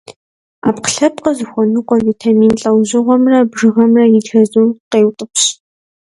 Ӏэпкълъэпкъыр зыхуэныкъуэ витамин лӏэужьыгъуэмрэ бжыгъэмрэ и чэзум къеутӏыпщ.